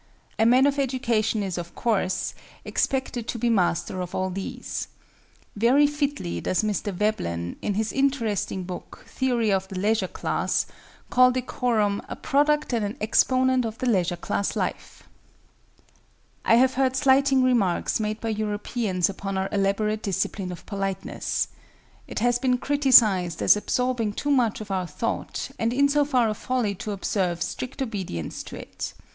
A man of education is, of course, expected to be master of all these. Very fitly does Mr. Veblen, in his interesting book, call decorum "a product and an exponent of the leisure class life." [Footnote 11: Theory of the Leisure Class, N.Y. 1899, p. 46.] I have heard slighting remarks made by Europeans upon our elaborate discipline of politeness. It has been criticized as absorbing too much of our thought and in so far a folly to observe strict obedience to it.